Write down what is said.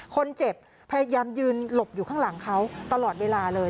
พยายามยืนหลบอยู่ข้างหลังเขาตลอดเวลาเลย